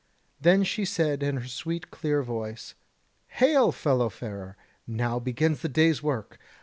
Then she said in her sweet clear voice: "Hail fellow farer! now begins the day's work.